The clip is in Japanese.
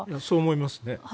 そう思いますね。